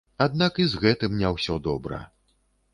Аднак і з гэтым не ўсё добра.